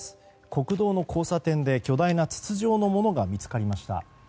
国道の交差点で巨大な筒状のものが見つかりました。